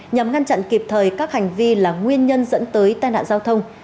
nhằm ngăn chặn kịp thời các hành vi là nguyên nhân dẫn tới tai nạn giao thông